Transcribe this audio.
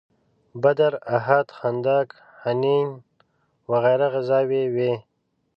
بدر، احد، خندق، حنین وغیره غزاوې وې.